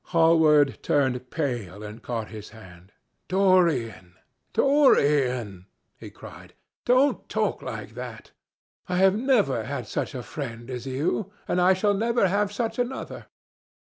Hallward turned pale and caught his hand. "Dorian! Dorian!" he cried, "don't talk like that. I have never had such a friend as you, and I shall never have such another.